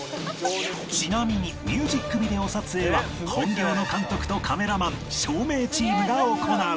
ちなみにミュージックビデオ撮影は本業の監督とカメラマン照明チームが行う